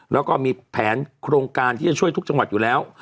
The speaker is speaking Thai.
แล้วก็มีแผนโครงการที่จะช่วยทุกจังหวัดอยู่แล้ว